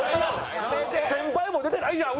先輩も出てないやん。